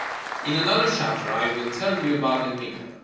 In another chapter I will tell you about the nigger.